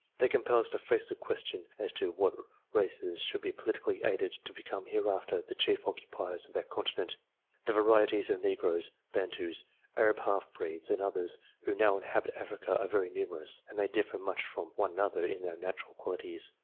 They compel us to face the question as to what races should be politically aided to become hereafter the chief occupiers of that continent. The varieties of Negroes, Bantus, Arab half breeds, and others who now inhabit Africa are very numerous, and they differ much from one another in their natural qualities.